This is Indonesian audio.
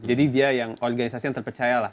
jadi dia yang organisasi yang terpercaya lah